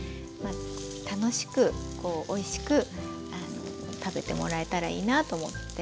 楽しくおいしく食べてもらえたらいいなと思って。